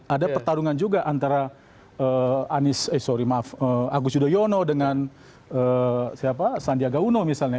ada pertarungan juga antara agus yudhoyono dengan sandiaga uno misalnya